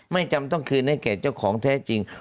จำต้องคืนให้แก่เจ้าของแท้จริง